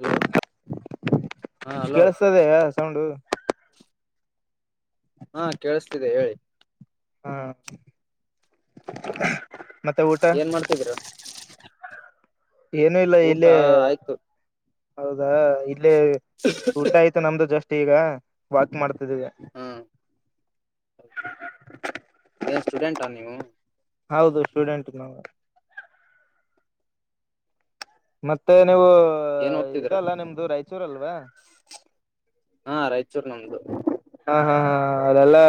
Hello ಹಾ hello ಕೇಳಸ್ತದೆ sound ಹಾ ಕೇಳಸ್ತಿದೆ ಹೇಳಿ ಹ್ಮ್ ಏನ್ ಮಾಡ್ತಿದೀರ ಏನು ಇಲ್ಲ ಊಟ ಇಲ್ಲಿ ಆಯ್ತು ಹೌದಾ ಇಲ್ಲಿ ಊಟ ಆಯ್ತು ನಮ್ದು ಜಸ್ಟ್ ಈಗ ವಾಕ್ ಮಾಡ್ತಿದ್ದೀವಿ ಹ್ಮ ಏನ್ ಸ್ಟೂಡೆಂಟಾ ನೀವು ಹೌದು ಸ್ಟೂಡೆಂಟ್ ನಾವ ಮತ್ತೆ ನೀವು ಏನ್ ಓದ್ತಿದೀರ ಇದಲ್ಲ ನಿಮ್ದು ರಾಯಚೂರಲ್ವಾ ಹಾ ರಾಯಚೂರ್ ನಂದು ಹಾ ಹಾ ಹಾ ಅದೆಲ್ಲಾ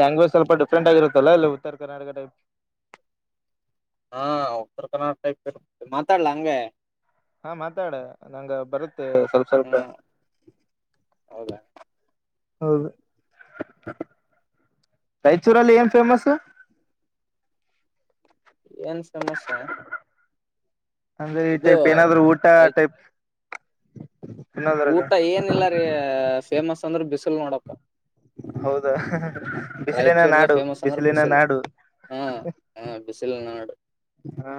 ಲ್ಯಾಂಗ್ವೇಜ್ ಸ್ವಲ್ಪ ಡಿಫ್ರೆಂಟ್ ಆಗಿರುತ್ತಲ್ಲ ಇಲ್ಲಿ ಉತ್ತರ ಕರ್ನಾಟಕ ಟೈಪ್ ಹಾ ಉತ್ತರ ಕರ್ನಾಟಕ ಟೈಪ್ ಇರುತ್ತೆ ಮಾತಾಡ್ಲಾ ಹಗೆ ಹಾ ಮಾತಾಡ ನಂಗ ಬರುತ್ ಸ್ವಲ್ಪ ಸ್ವಲ್ಪ ಹ್ಮ್ ಹೌದಾ ಹೌದು ರೈಚೂರಲ್ಲಿ ಏನ್ ಫೇಮಸ್ ಏನ್ ಸಮಸ್ಯ ಅಂದ್ರೆ ಈ ಟೈಪ್ ಏನಾದ್ರು ಊಟ ರೈ ಟೈಪ್ ತಿನ್ನೋದ್ರಾಗ ಊಟ ಏನಿಲ್ಲ ರೀ ಫೇಮಸ್ ಅಂದ್ರ ಬಿಸಿಲ್ ನೋಡಪ್ಪ ಹೌದಾ ಬಿಸಿಲಿ ನ ರಾಯಚೂರ್ದ ನಾಡು ಫೇಮಸ್ ಅಂದ್ರ ಬಿಸಿಲಿ ನ ಬಿಸಿಲು ನಾಡು ಹಾ ಹ ಬಿಸಿಲು ನಾಡು ಹಾ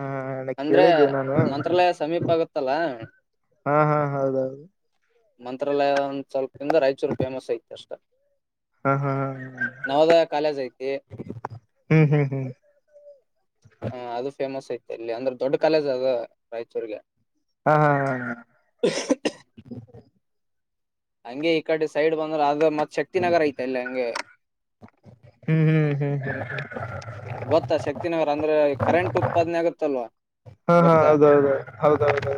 ನ ಅಂದ್ರೆ ಕೇಳಿದ್ದೆ ನಾನು ಮಂತ್ರಾಲಯ ಸಮೀಪ ಆಗತ್ತಲ್ಲ ಹಾ ಹಾ ಹೌದೌದು ಮಂತ್ರಾಲಯ ಒ ಸ್ವಲ್ಪಿಂದ ರಾಯಚೂರ್ ಫೇಮಸ್ ಐತೆ ಅಷ್ಟ ಹಾ ಹಾ ಹಾ ನವೋದಯ ಕಾಲಜಐತಿ ಹ್ಮ್ ಹ್ಮ್ ಹ್ಮ್ ಹ ಅದು ಫೇಮಸ್ ಐತೆ ಇಲ್ಲಿ ಅಂದ್ರೆ ದೊಡ್ಡ ಕಾಲೇಜ್ ಅದು ರಾಯಚೂರ್ಗೆ ಹಾ ಹಾ ಹಾ ಹಂಗೆ ಈ ಕಡೆ ಸೈಡ್ ಬಂದ್ರ ಅದ ಮತ್ ಶಕ್ತಿನಗರ ಐತೆ ಅಲ್ಲಿ ಹಂಗೆ ಹ್ಮ್ ಹ್ಮ್ ಹ್ಮ್ ಹ್ಮ ಗೊತ್ತಾ ಶಕ್ತಿನಗರ ಅಂದ್ರೆ ಕರೆಂಟ್ ಉತ್ಪಾದನೆ ಆಗತ್ತಲ್ವಾ ಹಾ ಹಾ ಗೊತ್ತಾ ಹೌದೌದು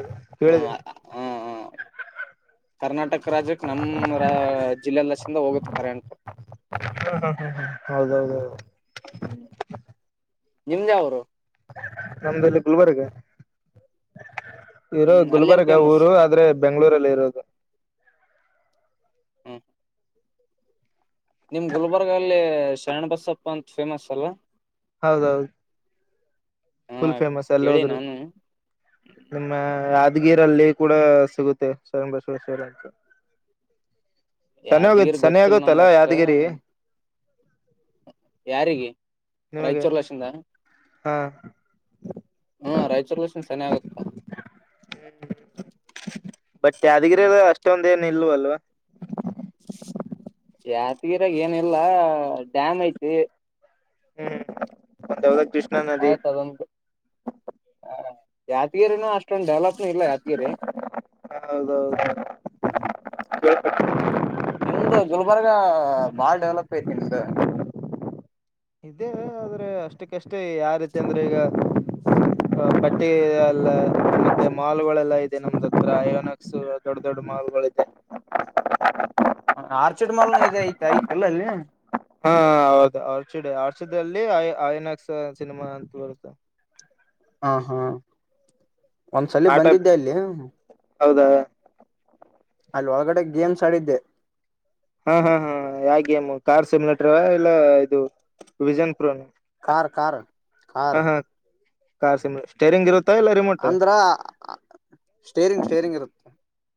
ಹ ಕೇಳಿದ್ದೇನೆಿ [inaudible] ಕರ್ನಾಟಕ ರಾಜ್ಯಕ್ಕೆ ನಮ ರ ಜಿಲ್ಲೆಲ್ಲ ಚಿಂದ ಹೋಗುತ್ತ ಕರೆಂಟರು ಹ ಹ ಹ ಹ ಹೌದೌದ ಹೌದು ನಿಮ್ದ ಅವರು ನಮ್ದಲ್ಲಿ ಗುಲ್ಬರ್ಗ ಇರೋ ಹ್ಮ್ ಅಲ್ಲಿ ಏನ್ ಗುಲ್ಬರ್ಗ ಫೇಮಸ್ ಊರು ಆದ್ರೆ ಬೆಂ್ಗಳೂರಲ್ಲಿ ಇರೋದು ಹ್ಮ ನಿಮ್ ಗುಲ್ಬರ್ಗ ಅಲ್ಲಿ ಶರಣಬಸಪ್ಪ ಅಂತ ಫೇಮಸ್ ಅಲ್ಲ ಹೌದೌದು ಹ ಫುಲ್ ಫೇಮಸ್ ಎಲ್ಲ ಕೇಳಿ ಹದ್ರು ನಾನು ನಿಮ್ಮ ಉದ್ಗಿರಲ್ಲಿ ಕೂಡ ಸಿಗುತ್ತೆ ಶರಣ್ಣಬವರೇಶ್ವವರ ಅಂತ ಸನ್ನೋಗ ಯಾತಿಗಿರ್ ಸನ ಗೊತ್ತಿಲ್ಲ ಆಗತ್ತಲ್ಲ ನಂಗ ಅಷ್ಟ ಯಾದಗಿರಿ ಯಾರಿಗೆ ನಿಮಗೆ ರಾಯಚೂರ್ ಲಶಿಂದ ಹಾ ಹ್ಮ ರಾಯಚೂರ್ಗಷನ್ ಸನಿಆಗತ್ತಾ ಬಟ್ ಯಾದಿಗಿರಿ ಅಷ್ಟೊಂದ ಏನ ಇಲ್ವ ಅಲ್ವಾ ಯತ್ಗಿರಾಗ ಏನಿಲ್ಲ ಡ್ಯಾಮ್ ಐತಿ ಹ್ಮ್ ಒವಾಗ ಕೃಷ್ಣ ನದಿ ಆಯ್ತ ಯಾಾದಗಿರಿನೂ ಅಷ್ಟೊಂದು ಡೆವಲಪ್ ಹೌದೌದ ನಿಮ್ದು ಗುಲ್ಬರ್ಗ ಬಾಳ ಡೆವಲಪ್ ಐತಿ ನಿಮ್ದು ಇದೇ ಆದ್ರೆ ಅಷ್ಟಕ್ಕಷ್ಟೇ ಯಾರೀತಿ ಅಂದ್ರೆ ಈಗ [inaudible] ಪಟ್ಟಿ ಎಲ್ಲ ಮತ್ತೆ ಮಾಲ್ಗಳೆಲ್ಲಾ ಇದೆ ನಮ್ದ ಹತ್ರ ಐಯೋನಾಕ್ಸ್ ದೊಡ್ಡ ದೊಡ್ಡ ಮಾಲ್ [inaudible] [inaudible] ಆರ್ಚಿಡ್ ಮಾಲ್ ಇಐತ ಯ್ತಲ್ಲ ಅಲ್ಲಿ ಹಾ ಹೌದು ಆರ್ಚಿಡ ಆರ್ಚಡ್ಲ್ಲಿ ಐನಾಕ್ಸ್ ಸಿನಿಮಾ ಅಂತ ಬರುತ್ತೆ ಹ ಹಾ ಒಂದ್ಸಲ ಆಟ ಬಂದಿದ್ದೆ ಅಲ್ಲಿ ಹೌದಾ ಅಲ್ಲಿ ಒಳಗಡೆ ಗೇಮ್ಸ್ ಆಡಿದ್ದೆ ಹಾ ಹಾ ಹಾ ಯಮ ಕಾರ್ ಸಿಮಲೆಟ್ರವ ಇಲ್ಲ ಇದು ವಿಜನ್ ಪ್ರೋನು ಕಾರ ಕಾರ ಕಾರ ಕಾರ್ ಸಿಮ್ ಸ್ಟೇರಿಂಗ್ ಇರುತ್ತೆ ಅಂದ್ರ ಸ್ಟೇರಿಂಗ್ ಸ್ಟೇರಿಂಗ್ ಇರುತ್ತೆ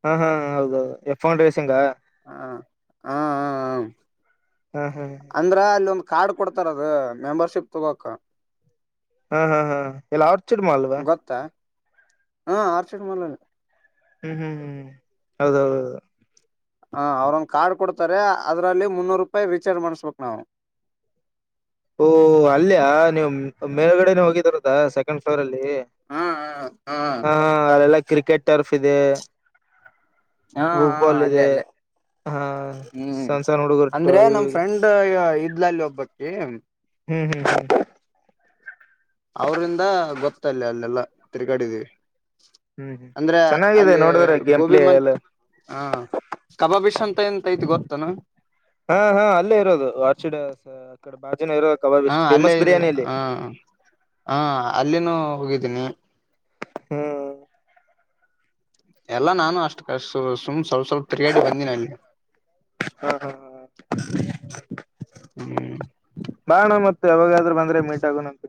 ಹಾ ಹಾ ಹೌದೌದು ಎಫನ್ ರೇಸಿಂಗಾ ಹ ಹ ಹ ಹಾ ಹಾ ಅಂದ್ರ ಅಲ್ಲ ಒಂದ್ ಕಾರ್ಡ್ ಕೊಡ್ತಾರದು ಮೆಂಬರ್ಶಿಪ್ ತಗೋಕ ಹಾ ಹಾ ಹಾ ಅರ್ಚಿಡ್ ಮಾಲ್ಗ ಹಾ ಅರ್ಚಿಡ್ ಮಾಲ್ ಹ್ಮ್ ಹ್ಮ್ ಹೌದೌದು ಹ ಅವ್ರೊಂದು ಕಾರ್ಡ್ ಕೊಡ್ತಾರೆ ಅದ್ರಲ್ಲಿ ಮುನ್ನೂರು ರೂಪಾಯಿ ರೀಚಾರ್ಜ್ ಮಾಡಸಬೇಕು ನಾವು [inaudible] ಓ ಅಲ್ಲಯ ನೀವು ಮೇಲುಗಡೆ ಹೋಗಿದರ ಸೆಕೆಂಡ್ ಫ್ಲೋರ್ ಅಲ್ಲಿ ಹಾ ಹಾ ಹ ಅಲೆಲ್ಲ ಕ್ರಿಕೆಟ್ ಟರ್ಫ್ ಇದೆ ಹಾ ಹಾ ಫುಟ್ಬಾಲ್ ಅಲ್ಲೇ ಇದೆ ಅಲ್ಲೇ ಹಾ ಹ್ಮ್ ಸಣ್ಣ ಸಣ್ಣ ಹುಡುಗರು ಅಂದ್ರೆ ಇವು ನಮ್ ಇದೆ ಫ್ರೆಂಡ್ ಇದ್ಲ ಅಲ್ಲಿ ಒಬ್ಬಕ್ಕಿ ಹ್ಮ್ ಹ್ಮ್ ಹ್ಮ್ ಅವ್ರಿಂದ ಗೊತ್ತಲ್ಲ ಅಲ್ಲೆಲ್ಲಾ ತಿರುಗಾಡಿದೀವಿ ಹ್ಮ್ ಹ್ಮ್ ಅಂದ್ರೆ ಚೆನ್ನಾಗಿದೆ ಅಲ್ಲಿ ನೋಡಿದ್ರೆ ಗೇಮ್ ಪ್ಲೇ ಎಲ್ಲ ಗೋಬಿಮಂಚೂರಿ ಹಾ ಕಬಾಬಿಷ್ ಅಂತ ಎಂತ ಆಯ್ತೆ ಗೊತ್ತಾನು ಹಾ ಹಾ ಅಲ್ಲೇ ಇರೋದು ಆರ್ಚಿಡ್ ಕಡೆ ಬಾಜುನ ಇರೋ ಕಬಾಬ್ ಹಾ ಅಲ್ಲೇ ಫೇಮಸ್ ಇದೆ ಬಿರಿಯಾನಿ ಅಲ್ಲಿ ಹಾ ಹಾ ಅಲ್ಲಿನೂ ಹೋಗಿದ್ದೀನಿ ಹ್ಮ್ ಎಲ್ಲಾ ನಾನು ಅಷ್ಟು ಕಷ್ಟು ಸುಮ್ ಸ್ವಲ್ಪ ಸ್ವಲ್ಪ ತಿರ್ಗಾಡಿ ಬಂದಿನ ಅಲ್ಲಿ ಹಾ ಹಾ ಹಾ [inaudible] ಹ್ಮ್ ಬಾ ಅಣ್ಣ ಮತ್ ಯಾವಾಗಾದ್ರು ಬಂದ್ರೆ ಮೀಟ್ ಆಗುಣಂತ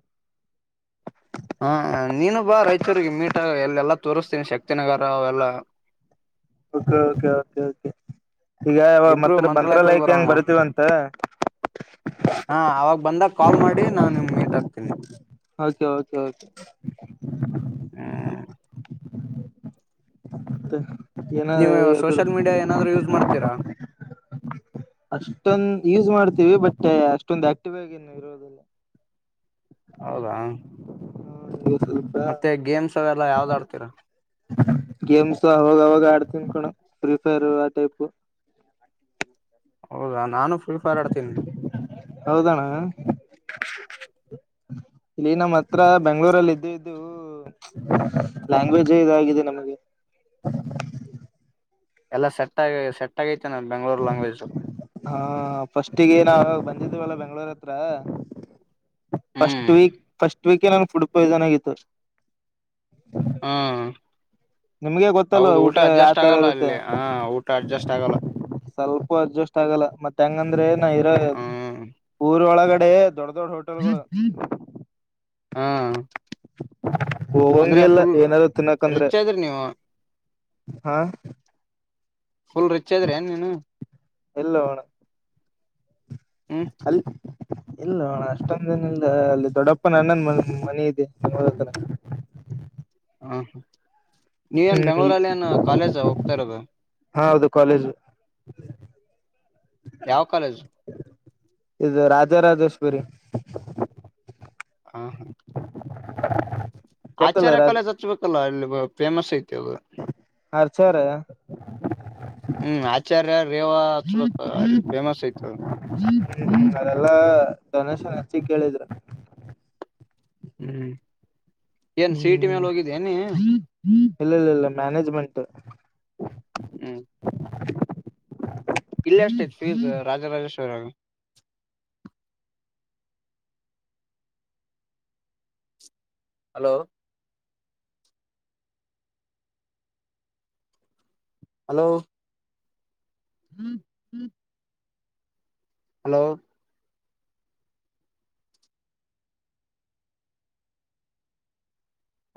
ಹಾ ನೀನು ಬಾ ರೈಚೂರಿಗೆ ಮೀಟ ಎಲ್ಲೆಲ್ಲಾ ತೋತೀನಿ ಶಕ್ತಿನಗರ ಅವೆಲ್ಲಾ [inaudible] [unintelligible] ಈಗ ಇಬ್ರು ಮತ್ರ ಹೋಗಿ ಮಂತ್ರಾಲಯಕ್ಕೆ ಬರೋಣ ಹೆಂಗ್ ಬರ್ತಿವಂತ ಹಾ ಅವಾಗ ಬಂದಾಗ ಕಾಲ್ ಮಾಡಿ ನಾನು ನಿಮ್ ಮೀಟ್ ಹಾಕ್ತೀನಿ ಹೌದೆ ಓಕೆ ಕೆ ಹ್ಮ ಮತ್ತೆ ನೀವು ಏನರು ಸೋಷಿಯಲ್ ಮೀಡಿಯಾ ಏನಾದ್ರು ಯೂಸ್ ಮಾಡ್ತೀರಾ ಅಷ್ಟೊಂದ ಯೂಸ್ ಮಾಡ್ತೀವಿ ಬಟ್ ಅಷ್ಟೊಂದು ಆಕ್ಟಿವ್ ಆಗಿ ಏನು ಇರೋದಲ್ಲ ಹೌದಾ ಆ ಮತ್ತೆ ಗೇಮ್ಸ್ ಅವೆಲ್ಲ ಯಾವ್ದ್ ಆಡ್ತೀರಾ ಗೇಮ್ಸ್ ಅವಾಗವಾಗ ಆಡ್ತನಿ ಕಣೋ ಪ್ರಿ ಫೈರ್ ಆ ಟೈಪ್ ಹೌದಾ ನಾನು ಫ್ರೀ ಫೈರ್ ಆಡ್ತೀನಿ ಹೌದಣ್ಣ ಇಲ್ಲಿ ನಮ್ಮ್ ಹತ್ರ ಬೆಂಗ್ಳೂರಲ್ಲಿ ಇದ್ದ ಇದ್ದು ಲ್ಯಾಂಗ್ವೇಜ್ ಇದಾಗಿದೆ ನಮಗೆ ಎಲ್ಲಾ ಸೆಟ್ ಆಗಿ ಸೆಟ್ ಆಗೈತಿ ಹಾ ಫಸ್ಟಿಗೆ ನಾನು ಬೆಂಗಳೂರ್ ಹತ್ರ ಹ್ಮ್ ಫಸ್ಟ್ ವೀಕ್ ಫಸ್ಟ್ ವೀಕ್ ಹೇ ನನಗೆ ಫುಡ್ ಪಾಯಿಸನ್ ಆಗಿತ್ತು ಹ್ಮ್ ನಿಮ್ಗೆ ಗೊತ್ತಲ್ವ ಹೌದು ಊಟ ಅಡ್ಜಸ್ಟ್ ಯಾವತರ ಆಗಲ್ಲ ಇರುತ್ತೆ ಅಲ್ಲಿ ಹ ಊಟ ಅಡ್ಜಸ್ಟ್ ಆಗಲ್ಲ ಸ್ವಲ್ಪ ಅಡ್ಜಸ್ಟ್ ಆಗಲ್ಲ ಮತ್ತೆ ಹೆಂಗ್ ಹಂಗಂದ್ರೆ ನಾ ಇರೋ ಹ್ಮ್ ಊರೊಳಗಡೆ ದೊಡ್ಡ ದೊಡ್ಡ ಹೋಟೆಲ್ಗಳು ಹಾ ಹೋಗೋದೇ ಇಲ್ಲ ಏನಾರು ತಿನ್ನಕಂದ್ರೆ ರಿಚ್ ಇದ್ರಿ ನೀವು ಹಾ ಫುಲ್ ರಿಚ್ ಅಂದೇ ಏನ್ ನೀನು ಇಲ್ವೋ ಅಣ್ಣ ಹ್ಮ್ ಅಲ್. ಇಲ್ಲೊ ಅಣ ಅಷ್ಟೊಂದನ ಇಲ್ಲ ಅಲ್ಲಿ ದೊಡ್ಡಪ್ಪ ಅಣ್ಣನ್ ಮನಿ ಇದೆ ನಮ್ಮೂರ ಹತ್ರ. ಹಾ ನೀ ಎನ್ ಹ್ಮ್ ಬೆಂಗ್ಳೂರಲ್ಲಿ ಏನ್ ಕಾಲೇಜ ಹೋಗ್ತಾ ಇರೋದು. ಹಾ ಹೌದು ಕಾಲೇಜು. ಯಾವ ಕಾಲೇಜು. ಇದು ರಾಜಾ ರಾಜೆಶ್ವರಿ. ಹಾ. [inaudible] ಗೊತ್ತಲ್ಲ ಆಚಾರ್ಯ ರಾಜ ಕಾಲೇಜ್ ಹಚ್ಬೇಕಲ್ಲ ಅಲ್ಲಿ ಫೇಮಸ್ ಐತಿ ಅದು. ಆಚರ್ಯ. ಹ್ಮ್ ಆಚಾರ್ಯ ರೇವಾ ಫೇಮಸ್ ಆಯ್ತಿ ಅವು. ಹ್ಮ್ ಅದೆಲ್ಲಾ ಡೊನೇಶನ್ ಹೆಚ್ಚಿಗಿ ಕೇಳಿದ್ರ. ಹ್ಮ್ ಏನ್ ಸಿಇಟಿ ಹ್ಮ್ ಮೇಲೆ ಹೋಗಿದ ನೀ. ಇಲ್ಲ ಇಲ್ಲ ಇಲ್ಲ ಮ್ಯಾನೇಜ್ಮೆಂಟ್. ಹ್ಮ್. [inaudible] ಇಲ್ಲ ಎಷ್ಟು ಆಯ್ತಿ ಫೀಸ್ ರಾಜರಾಜೇಶ್ವರ ದಾಗ. ಹಲೋ. ಹಲೋ. ಹ್ಮ್ ಹ್ಮ್. ಹಲೋ.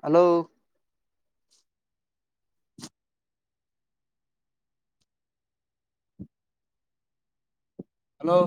ಹಲೋ. ಹಲೋ